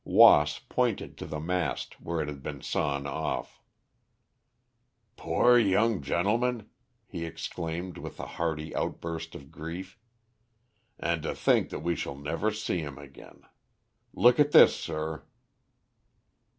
Wass pointed to the mast where it had been sawn off. "Poor young gentleman," he exclaimed with a hearty outburst of grief. "And to think that we shall never see him again. Look at this, sir."